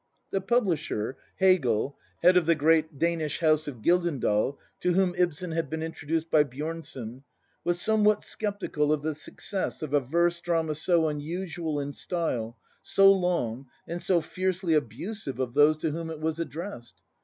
The pubHsher, Hegel (head of the great Danish house of Gyldendal), to whom Ibsen had been introduced by Bjornson, was somewhat sceptical of the success of a verse drama so unusual in style, so long, and so fiercely abusive of those to whom it was addressed.